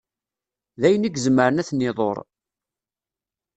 D ayen i izemmren ad ten-iḍuṛ.